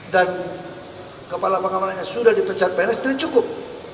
dan kepala pangkamanannya sudah dipecat pns tidak cukup